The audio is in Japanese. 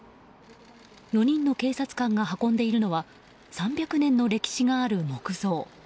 ４人の警察官が運んでいるのは３００年の歴史がある木像。